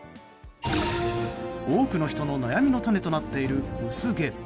多くの人の悩みの種となっている薄毛。